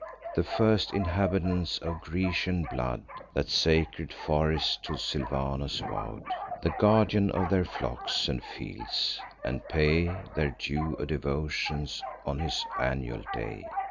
The first inhabitants of Grecian blood, That sacred forest to Silvanus vow'd, The guardian of their flocks and fields; and pay Their due devotions on his annual day.